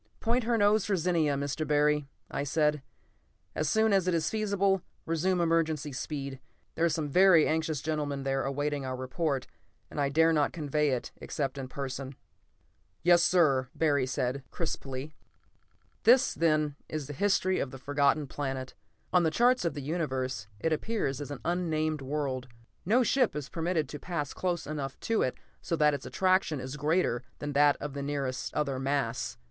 "Point her nose for Zenia, Mr. Barry," I said. "As soon as it is feasible, resume emergency speed. There are some very anxious gentlemen there awaiting our report, and I dare not convey it except in person." "Yes, sir!" said Barry crisply. This, then, is the history of the Forgotten Planet. On the charts of the Universe it appears as an unnamed world. No ship is permitted to pass close enough to it so that its attraction is greater than that of the nearest other mass.